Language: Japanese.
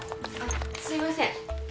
すいません。